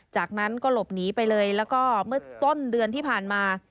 จากนั้นก็หลบหนีไปเลยแล้วก็เมื่อต้นเดือนที่ผ่านมา